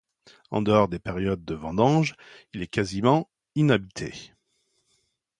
En dehors des périodes de vendanges, il est quasiment inhabité.